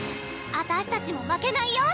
あたしたちも負けないよ！